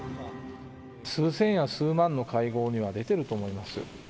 数千や数万の会合には出てると思います。